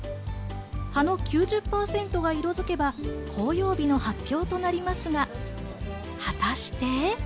葉の９０％が色付けば紅葉日の発表となりますが、果たして。